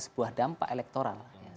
sebuah dampak elektoral